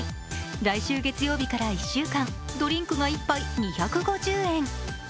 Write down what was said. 来週月曜日から１週間、ドリンクがか１杯２５０円。